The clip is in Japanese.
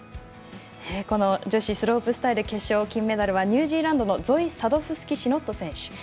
この女子スロープスタイル決勝の金メダルはニュージーランドのゾイ・サドフスキシノット選手。